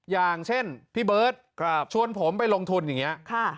อย่างเช่นพี่เบิร์ตชวนผมไปลงทุนอย่างนี้